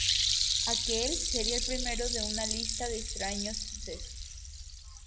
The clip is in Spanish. Aquel sería el primero de una lista de extraños sucesos.